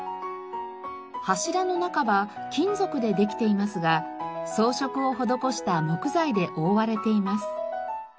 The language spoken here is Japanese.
柱の中は金属でできていますが装飾を施した木材で覆われています。